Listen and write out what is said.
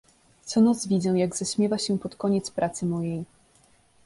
"Co noc widzę, jak zaśmiewa się pod koniec pracy mojej."